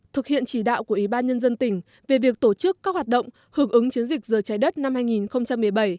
thực hiện chỉ đạo của ủy ban nhân dân tỉnh về việc tổ chức các hoạt động hưởng ứng chiến dịch giờ trái đất năm hai nghìn một mươi bảy